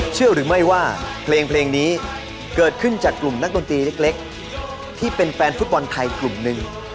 เชื่อหรือไม่ว่าเพลงนี้เกิดขึ้นจากกลุ่มนักดนตรีเล็กที่เป็นแฟนฟุตบอลไทยกลุ่มหนึ่ง